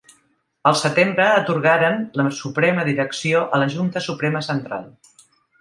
Al setembre atorgaren la suprema direcció a la Junta Suprema Central.